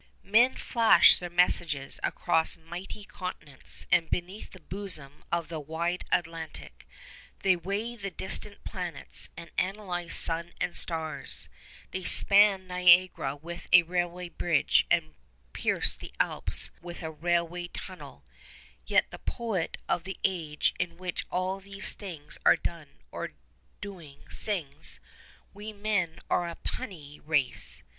_ Men flash their messages across mighty continents and beneath the bosom of the wide Atlantic; they weigh the distant planets, and analyse sun and stars; they span Niagara with a railway bridge, and pierce the Alps with a railway tunnel: yet the poet of the age in which all these things are done or doing sings, 'We men are a puny race.